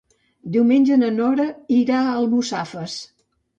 Diumenge na Nora irà a Almussafes.